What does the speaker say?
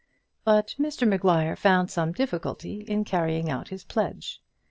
But Mr Maguire found some difficulty in carrying out his pledge.